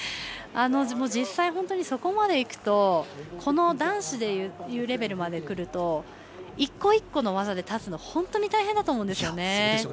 実際、本当にそこまでいくとこの男子のレベルでいうと１個１個の技で立つの本当に大変だと思うんですよね。